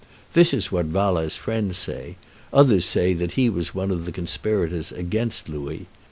This is what Wala's friends say: others say that he was one of the conspirators against Louis.